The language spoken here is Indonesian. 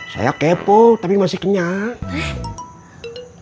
saya kepo tapi masih kenyang